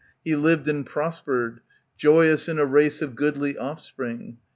i8i ANTIGONE He lived and prospered, joyous in a race Of goodly offspring.